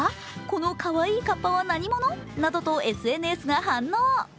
このかわいいかっぱは何者などとＳＮＳが反応。